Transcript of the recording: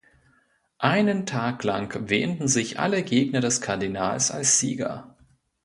Einen Tag lang wähnten sich alle Gegner des Kardinals als Sieger.